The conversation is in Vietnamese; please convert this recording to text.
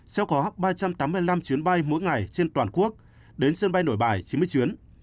sẽ có ba trăm tám mươi năm chuyến bay mỗi ngày trên toàn quốc đến sân bay nội bài chín mươi chuyến